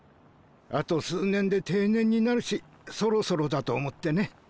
あと数年で定年になるしそろそろだと思ってね。